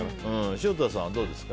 潮田さんはどうですか？